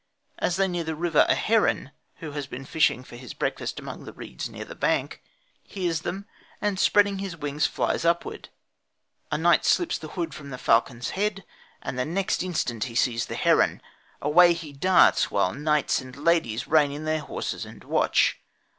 As they near the river a heron, who had been fishing for his breakfast among the reeds near the bank, hears them and spreading his wings flies upward. A knight slips the hood from the falcon's head and next instant he sees the heron. Away he darts, while knights and ladies rein in their horses and watch.